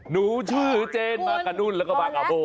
หนูชื่อเจนมากะนุ่นแล้วก็มากะโบ